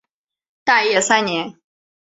大业三年。